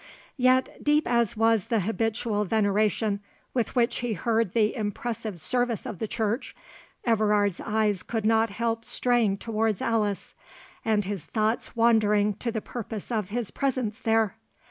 Yet deep as was the habitual veneration with which he heard the impressive service of the Church, Everard's eyes could not help straying towards Alice, and his thoughts wandering to the purpose of his presence there.